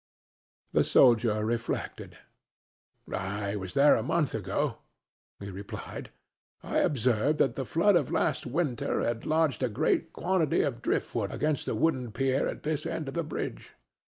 The soldier reflected. "I was there a month ago," he replied. "I observed that the flood of last winter had lodged a great quantity of driftwood against the wooden pier at this end of the bridge.